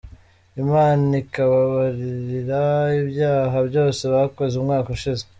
Imana ikabababarira ibyaha byose bakoze umwaka ushize.